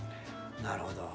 なるほど。